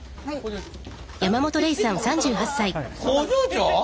工場長？